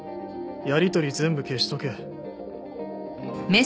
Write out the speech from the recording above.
「やりとり全部消しとけ」